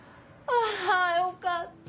ああよかった。